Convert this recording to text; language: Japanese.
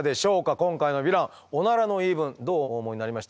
今回のヴィランオナラの言い分どうお思いになりました？